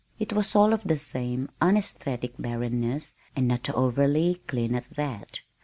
It was all of the same unesthetic barrenness, and not overly clean at that.